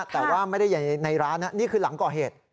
แต่ว่าไม่ได้อยู่ในร้านนี่คือหลังก่อเหตุ